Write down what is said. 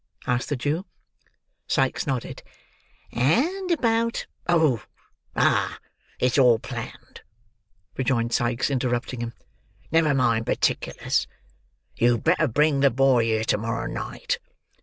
asked the Jew. Sikes nodded. "And about—" "Oh, ah, it's all planned," rejoined Sikes, interrupting him. "Never mind particulars. You'd better bring the boy here to morrow night.